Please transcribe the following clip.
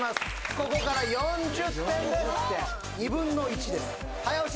ここから４０点です２分の１です早押し